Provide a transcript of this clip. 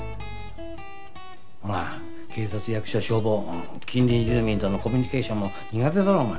ほら警察役所消防近隣住民とのコミュニケーションも苦手だろお前。